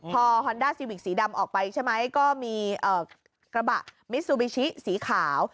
พอฮอนด้าซีวิกสีดำออกไปใช่ไหมก็มีกระบะมิซูบิชิสีขาว